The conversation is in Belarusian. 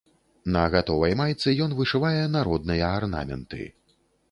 На гатовай майцы ён вышывае народныя арнаменты.